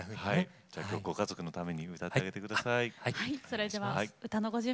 ご家族のために歌ってあげてください。